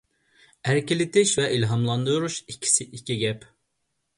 ئەركىلىتىش بىلەن ئىلھاملاندۇرۇش ئىككىسى ئىككى گەپ.